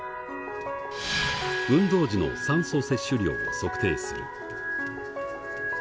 運動時の酸素摂取量を測定する。